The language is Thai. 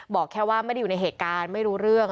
บอกแค่ว่าไม่ได้อยู่ในเหตุการณ์ไม่รู้เรื่อง